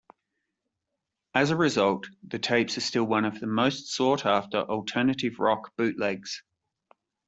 As a result, the tapes are still one of the most sought-after alternative-rock bootlegs.